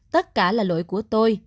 tất cả là lỗi của tôi